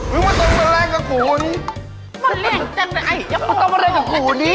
มันต้องมาเล่นกับกูนี่